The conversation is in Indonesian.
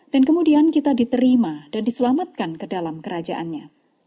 dan kemudian kita diterima dan diselamatkan ke dalam kerajaannya